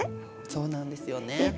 そうなんですよね。